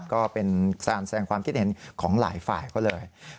ก็เป็นแสงความคิดเห็นของหลายฝ่ายเขาเลย